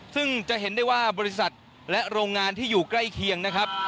ซึ่งจะเห็นได้ว่าบริษัทและโรงงานที่อยู่ใกล้เคียงนะครับ